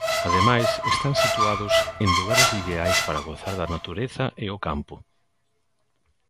Ademais, están situados en lugares ideais para gozar da natureza e o campo.